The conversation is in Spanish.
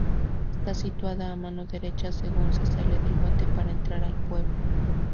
Está situada a mano derecha según se sale del puente para entrar al pueblo.